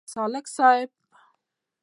سالک صیب.